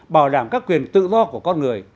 bảo đảm các quyền tự do của con người